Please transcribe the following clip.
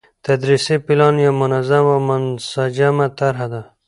تدريسي پلان يو منظم او منسجمه طرحه ده،